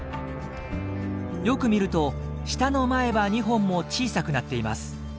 よく見ると下の前歯２本も小さくなっています。